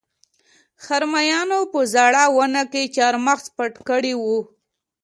خرمایانو په زړه ونه کې چارمغز پټ کړي وو